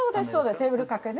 テーブルかけね。